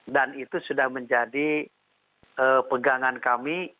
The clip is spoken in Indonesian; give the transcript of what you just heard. dan itu sudah menjadi pegangan kami